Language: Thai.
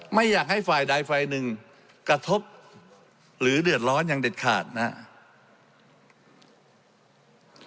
ไม่อยากให้ฝ่ายใดฝ่ายหนึ่งกระทบหรือเดือดร้อนอย่างเด็ดขาดนะครับ